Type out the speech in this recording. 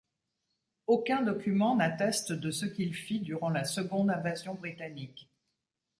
Aucun document n’atteste de ce qu’il fit durant la seconde invasion britannique.